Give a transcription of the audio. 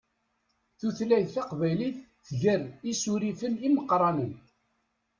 Tutlayt taqbaylit tger isurifen imeqqranen.